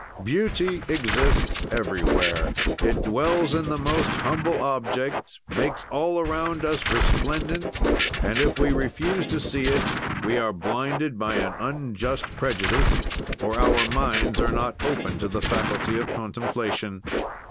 "Beauty exists everywhere; it dwells in the most humble objects, makes all around us resplendent and, if we refuse to see it, we are blinded by an unjust prejudice, or our minds are not open to the faculty of contemplation.